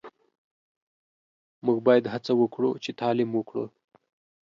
موژ باید هڅه وکړو چی تعلیم وکړو